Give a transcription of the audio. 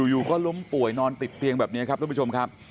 อยู่ก็ล้มป่วยนอนติดเตียงแบบนี้ครับทุกผู้ชมครับ